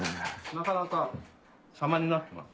なかなか様になってます。